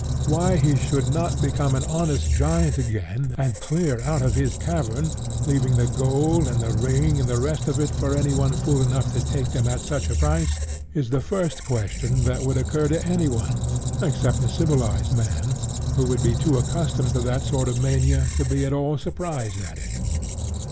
Why he should not become an honest giant again and clear out of his cavern, leaving the gold and the ring and the rest of it for anyone fool enough to take them at such a price, is the first question that would occur to anyone except a civilized man, who would be too accustomed to that sort of mania to be at all surprised at it.